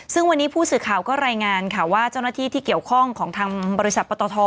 ซึ่งวันนี้ผู้สื่อข่าวก็รายงานค่ะว่าเจ้าหน้าที่ที่เกี่ยวข้องของทางบริษัทปตท